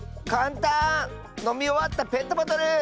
かんたん！のみおわったペットボトル！